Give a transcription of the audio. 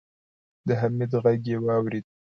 د حميد غږ يې واورېد.